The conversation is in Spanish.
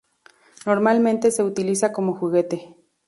Normalmente se utiliza como juguete.